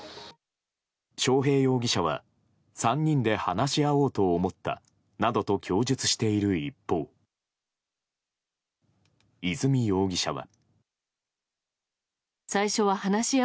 章平容疑者は３人で話し合おうと思ったなどと供述している一方和美容疑者は。